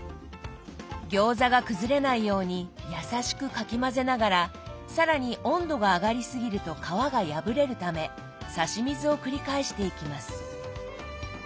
餃子が崩れないようにやさしくかき混ぜながら更に温度が上がりすぎると皮が破れるため差し水を繰り返していきます。